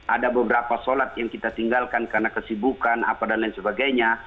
ada beberapa sholat yang kita tinggalkan karena kesibukan apa dan lain sebagainya